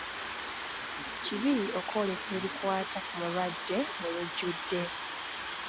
Kibi okwoleka ebikwata ku mulwadde mu lujjudde.